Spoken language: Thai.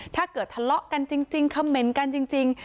ถ้าเกิดทะเลาะกันจริงเค้าเม้นต์กันจริง